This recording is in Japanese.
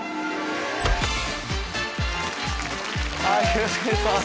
よろしくお願いします。